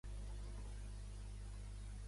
El poble mana, el govern obeeix!